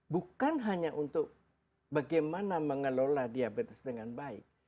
bukan hanya untuk bagaimana mengelola diabetes dengan baik